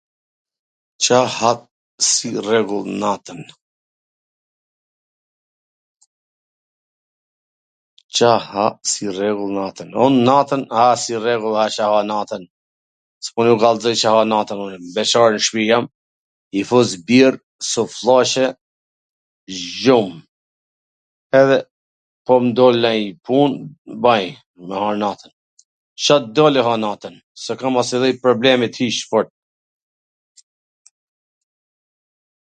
Ca ha si rregull natwn? Un natwn ha si rregull, ha Ca ha natwn, s po ju kallzoj Ca ha natwn un, beqar nw shpi jam, i fus birr, sufllaqe, gjum, edhe po m doli nanj pun e baj, natwn, Ca t dali ha natwn, se kam as edhe njw problemi t ish fort...